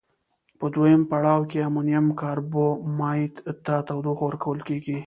په دویم پړاو کې امونیم کاربامیت ته تودوخه ورکول کیږي.